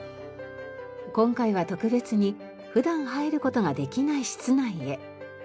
今回は特別に普段入る事ができない室内へ。